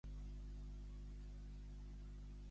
I quan és que s'abillen amb robes tradicionals jueves?